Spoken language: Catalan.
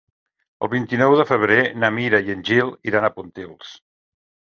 El vint-i-nou de febrer na Mira i en Gil iran a Pontils.